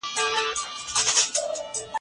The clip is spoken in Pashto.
هیڅ تېری به پاتې نه شي بېځوابه